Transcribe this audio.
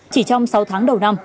chỉ trong sáu tháng đầu năm